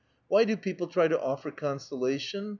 Why do people try to offer con solation